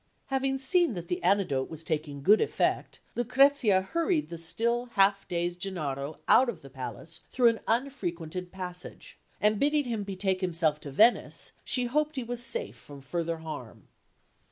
Having seen that the antidote was taking good effect, Lucrezia hurried the still half dazed Gennaro out of the palace through an unfrequented passage; and bidding him betake himself to Venice, she hoped he was safe from further harm.